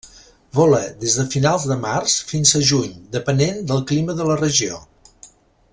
Vola des de finals de març fins a juny, depenent del clima de la regió.